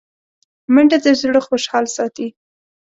منډه د زړه خوشحال ساتي